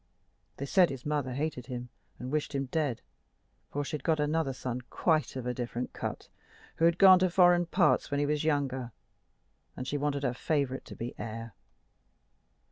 They said his mother hated him and wished him dead; for she'd got another son, quite of a different cut, who had gone to foreign parts when he was a youngster, and she wanted her favorite to be heir.